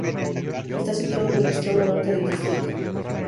Está situado en el extremo norte del distrito.